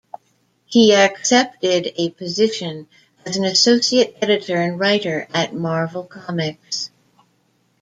He accepted a position as an associate editor and writer at Marvel Comics.